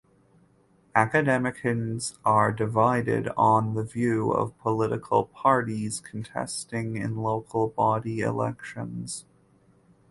Academicians are divided on the view of political parties contesting in local body elections.